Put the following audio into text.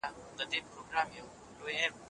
ملا محمد باقر مجلسی د سنیانو ځورونه وکړه.